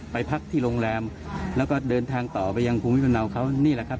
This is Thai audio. พักที่โรงแรมแล้วก็เดินทางต่อไปยังภูมิลำเนาเขานี่แหละครับ